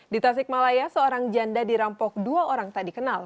di tasikmalaya seorang janda dirampok dua orang tak dikenal